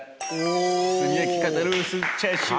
炭焼き肩ロースチャーシューです。